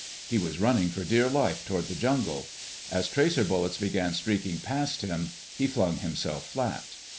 He was running for dear life toward the jungle. As tracer bullets began streaking past him he flung himself flat.